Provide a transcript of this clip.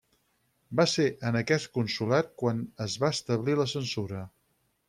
Va ser en aquest consolat quan es va establir la censura.